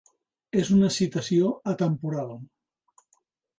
És una citació atemporal.